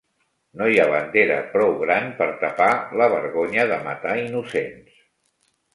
No hi ha bandera prou gran per tapar la vergonya de matar innocents.